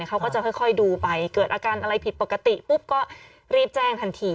เขาก็จะค่อยดูไปเกิดอาการอะไรผิดปกติปุ๊บก็รีบแจ้งทันที